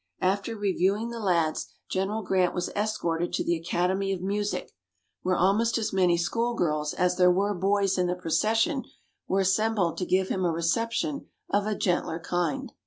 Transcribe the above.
After reviewing the lads, General Grant was escorted to the Academy of Music, where almost as many school girls as there were boys in the procession were assembled to give him a reception of a gentler kind.